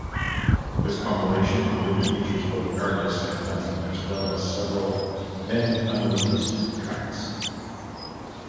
This compilation included features both artists had done, as well as several then-unreleased tracks.